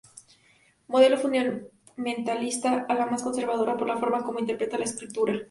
Modelo Fundamentalista: Ala más conservadora por la forma como interpreta la Escritura.